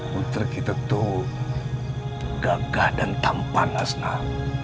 putri kita tuh gagah dan tampan hasnah